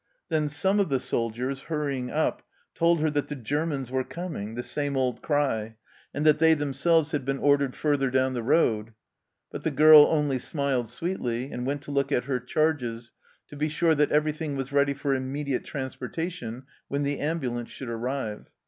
Then some of the soldiers, hurrying up, told her that the Germans were coming the same old cry and that they themselves had been ordered further down the road ; but the girl only smiled sweetly, and went to look at her charges to be sure that everything was ready for immediate transportation when the ambulance should arrive.